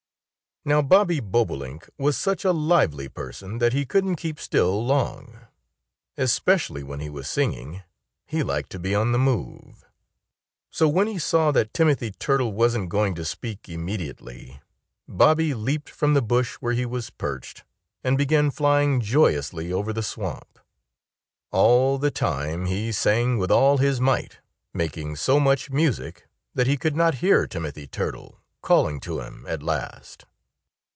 Now Bobby Bobolink was such a lively person that he couldn't keep still long. Especially when he was singing he liked to be on the move. So when he saw that Timothy Turtle wasn't going to speak immediately Bobby leaped from the bush where he was perched and began flying joyously over the swamp. All the time he sang with all his might, making so much music that he could not hear Timothy Turtle calling to him at last.